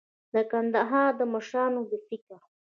د کندهار د مشرانو د فکر